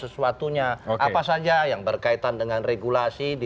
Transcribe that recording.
sampai saat lain